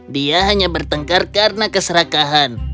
dia hanya bertengkar karena keserakahan